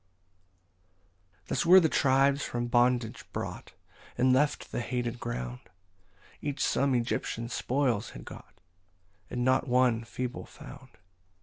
15 Thus were the tribes from bondage brought, And left the hated ground; Each some Egyptian spoils had got, And not one feeble found.